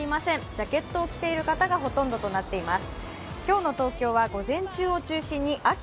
ジャケットを着ている方がほとんどとなっています。